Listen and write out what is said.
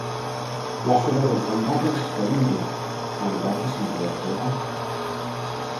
La sede del condado es Columbia, al igual que su mayor ciudad.